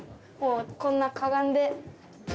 こんなかがんで。